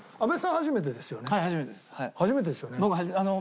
初めてですよね？